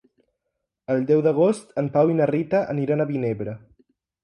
El deu d'agost en Pau i na Rita aniran a Vinebre.